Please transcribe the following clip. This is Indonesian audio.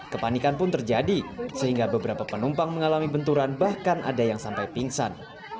kepanikan pun terjadi sehingga beberapa penumpang mengalami benturan bahkan ada yang sampai pingsan